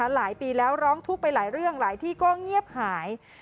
หลายปีแล้วร้องทุกข์ไปหลายเรื่องหลายที่ก็เงียบหาย